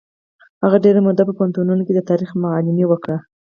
هغه ډېره موده په پوهنتونونو کې د تاریخ معلمي وکړه.